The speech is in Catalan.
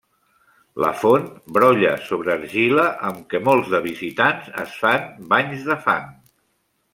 La font brolla sobre argila amb què molts de visitants es fan banys de fang.